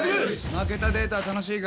「負けたデートは楽しいかい？